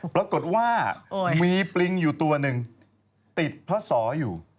ปรากฏว่ามีปริงอยู่ตัวหนึ่งติดพระสออยู่